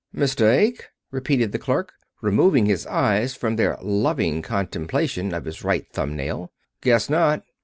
"Mistake?" repeated the clerk, removing his eyes from their loving contemplation of his right thumb nail. "Guess not."